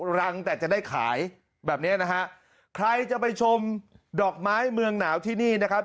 รังแต่จะได้ขายแบบเนี้ยนะฮะใครจะไปชมดอกไม้เมืองหนาวที่นี่นะครับ